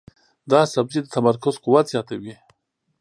دا سبزی د تمرکز قوت زیاتوي.